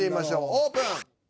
オープン。